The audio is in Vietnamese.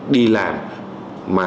đi làm mà